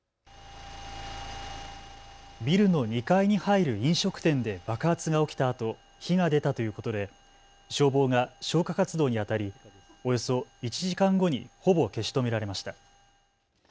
ビルの２階に入る飲食店で爆発が起きたあと火が出たということで消防が消火活動にあたりおよそ１時間後にほぼ消し止められました。